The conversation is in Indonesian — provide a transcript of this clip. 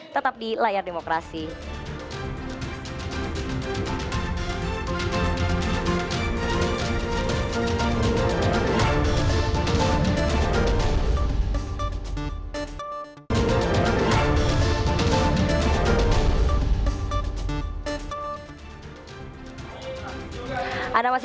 tetap di layar demokrasi